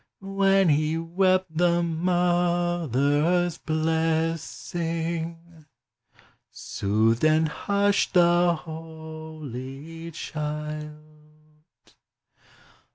When he wept, the mother's blessing Soothed and hushed the holy Child.